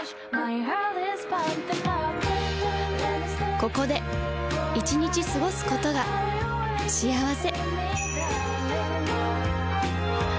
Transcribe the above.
ここで１日過ごすことが幸せ